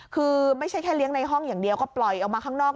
คือไม่ใช่แค่เลี้ยงในห้องอย่างเดียวก็ปล่อยออกมาข้างนอก